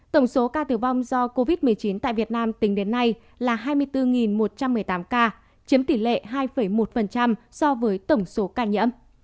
tổng số ca tử vong do covid một mươi chín tại việt nam tính đến nay là hai mươi bốn một trăm một mươi tám ca chiếm tỷ lệ hai một so với tổng số ca nhiễm